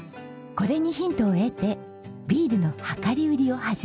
これにヒントを得てビールの量り売りを始めました。